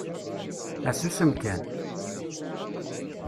Ah susem kan!